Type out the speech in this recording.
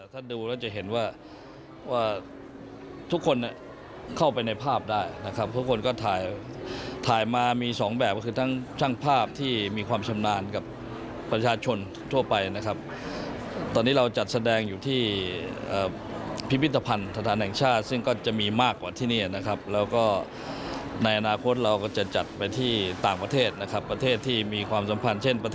ถ้าดูแล้วจะเห็นว่าว่าทุกคนเข้าไปในภาพได้นะครับทุกคนก็ถ่ายถ่ายมามีสองแบบก็คือทั้งช่างภาพที่มีความชำนาญกับประชาชนทั่วไปนะครับตอนนี้เราจัดแสดงอยู่ที่พิพิธภัณฑ์สถานแห่งชาติซึ่งก็จะมีมากกว่าที่นี่นะครับแล้วก็ในอนาคตเราก็จะจัดไปที่ต่างประเทศนะครับประเทศที่มีความสัมพันธ์เช่นประเทศ